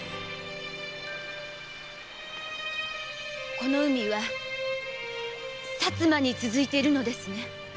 この海は薩摩に続いているのですね。